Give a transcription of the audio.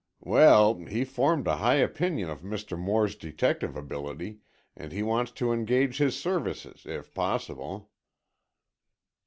"Well, he formed a high opinion of Mr. Moore's detective ability, and he wants to engage his services, if possible."